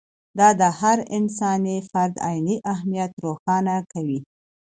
دا د هر انساني فرد عیني اهمیت روښانه کوي.